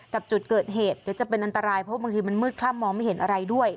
กับจุดเกิดเหตุเดี๋ยวจะเป็นอันตรายเพราะบางทีมันมืดคล่ำมองไม่เห็นอะไรด้วย